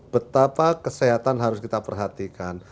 betapa kesehatan harus kita perhatikan